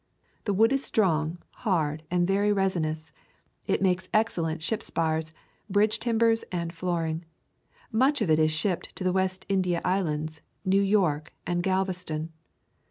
The wood is strong, hard, and very resinous. It makes excellent ship spars, bridge timbers, and flooring. Much of it is shipped to the West India Islands, New York, and Gal veston.